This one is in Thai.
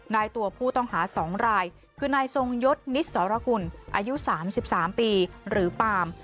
นายตัวผู้ต้องหาสองรายคือนายทรงยศนิษย์สรกุลอายุสามสิบสามปีหรือปาล์ม